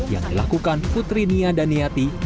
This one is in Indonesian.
yang dilakukan putri nia daniyati olivia natania bukasuara